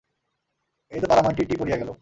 এই তো পাড়াময় ঢী ঢী পড়িয়া গেল!